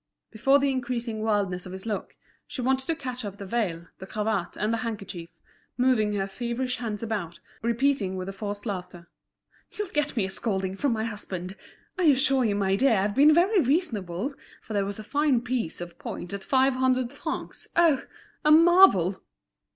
Before the increasing wildness of his look, she wanted to catch up the veil, the cravat, and the handkerchief, moving her feverish hands about, repeating with forced laughter: "You'll get me a scolding from my husband. I assure you, my dear, I've been very reasonable; for there was a fine piece of point at five hundred francs, oh! a marvel!"